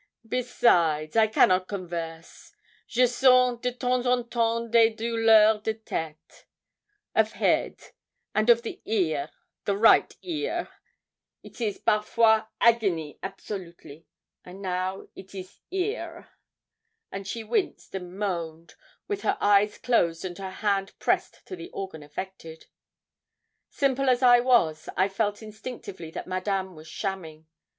'Besides, I cannot converse; je sens de temps en temps des douleurs de tête of head, and of the ear, the right ear, it is parfois agony absolutely, and now it is here.' And she winced and moaned, with her eyes closed and her hand pressed to the organ affected. Simple as I was, I felt instinctively that Madame was shamming.